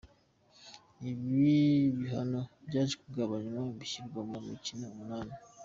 Ibi bihano byaje kugabanywa bishyirwa ku mikino umunani.